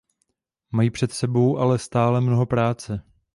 Mají před sebou ale stále mnoho práce.